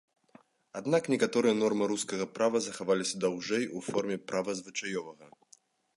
Аднак некаторыя нормы рускага права захаваліся даўжэй у форме права звычаёвага.